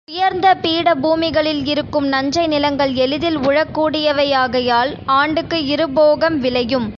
உயர்ந்த பீடபூமிகளில் இருக்கும் நஞ்சை நிலங்கள் எளிதில் உழக் கூடியவை யாகையால் ஆண்டுக்கு இருபோகம் விளையும்.